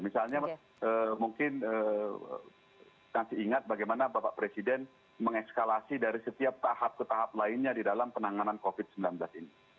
misalnya mungkin nanti ingat bagaimana bapak presiden mengekskalasi dari setiap tahap ke tahap lainnya di dalam penanganan covid sembilan belas ini